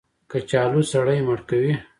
کچالو سړی مړ کوي